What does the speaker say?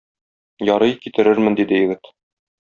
Ярый, китерермен, - диде егет.